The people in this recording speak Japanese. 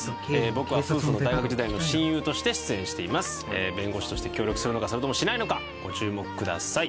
僕は夫婦の大学時代の親友として出演しています弁護士として協力するのかそれともしないのかご注目ください